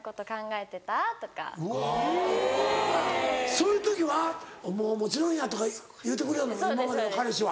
・そういう時は「もちろんや」とか言うてくれよんの今までの彼氏は。